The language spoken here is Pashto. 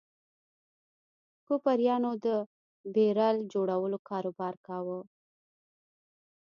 کوپریانو د بیرل جوړولو کاروبار کاوه.